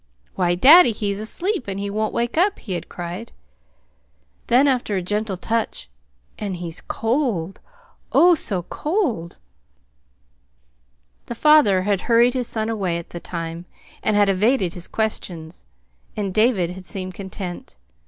"Why, daddy, he's asleep, and he won't wake up!" he had cried. Then, after a gentle touch: "And he's cold oh, so cold!" The father had hurried his son away at the time, and had evaded his questions; and David had seemed content.